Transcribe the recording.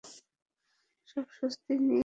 সব প্রস্তুতি নিয়ে নিন।